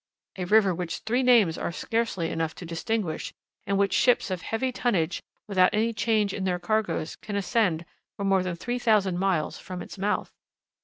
"A river which three names are scarcely enough to distinguish, and which ships of heavy tonnage, without any change in their cargoes, can ascend for more than three thousand miles from its mouth."